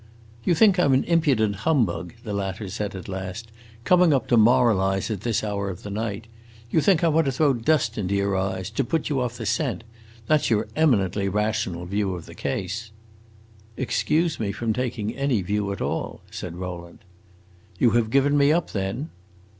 "You think I 'm an impudent humbug," the latter said at last, "coming up to moralize at this hour of the night. You think I want to throw dust into your eyes, to put you off the scent. That 's your eminently rational view of the case." "Excuse me from taking any view at all," said Rowland. "You have given me up, then?"